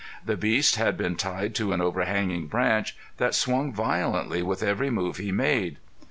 The beast had been tied to an overhanging branch that swung violently with every move he made.